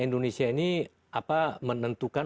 indonesia ini menentukan